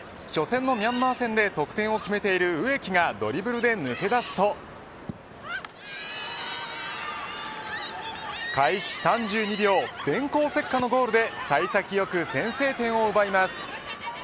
初戦のミャンマー戦で得点を決めている植木がドリブルで抜け出すと開始３２秒電光石火のゴールで幸先よく先制点を奪います。